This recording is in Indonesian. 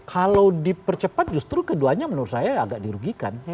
kalau dipercepat justru keduanya menurut saya agak dirugikan